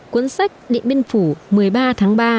cuốn sách điện biên phủ một mươi ba tháng ba